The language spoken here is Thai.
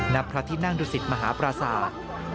ณพระที่นั่งดุสิตมหาปราศาสตร์